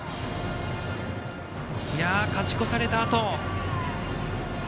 勝ち越されたあと。